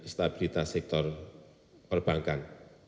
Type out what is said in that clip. stabilitas sektor perbankan